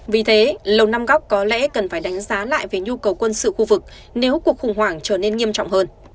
vì thế lầu nam góc có lẽ cần phải đánh giá lại về nhu cầu quân sự khu vực nếu cuộc khủng hoảng trở nên nghiêm trọng hơn